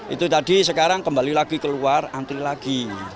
itu tadi sekarang kembali lagi keluar antri lagi